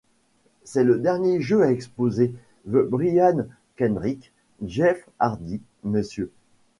C'est le dernier jeu à exposer The Brian Kendrick, Jeff Hardy, Mr.